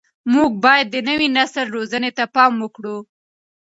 موږ باید د نوي نسل روزنې ته پام وکړو.